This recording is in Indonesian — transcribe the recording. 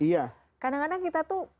iya kadang kadang kita tuh